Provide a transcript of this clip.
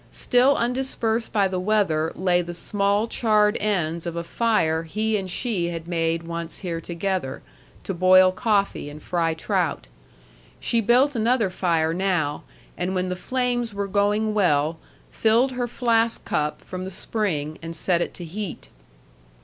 Still undispersed by the weather lay the small charred ends of a fire he and she had made once here together, to boil coffee and fry trout. She built another fire now, and when the flames were going well, filled her flask cup from the spring and set it to heat.